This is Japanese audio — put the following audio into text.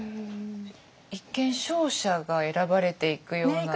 一見勝者が選ばれて行くような。